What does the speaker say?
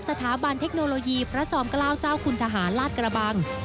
สถาบันเทคโนโลยีพระจอมเกล้าเจ้าคุณทหารลาดกระบัง